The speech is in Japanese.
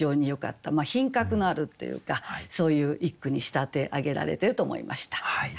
品格のあるというかそういう一句に仕立て上げられてると思いました。